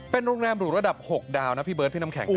เป็นโรงแรมหรูระดับ๖ดาวนะพี่เบิร์ดพี่น้ำแข็งครับ